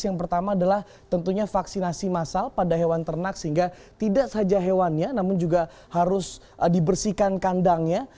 yang pertama adalah tentunya vaksinasi massal pada hewan ternak sehingga tidak saja hewannya namun juga harus dibersihkan kandangnya